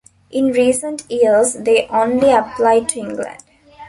In recent years they only applied to England.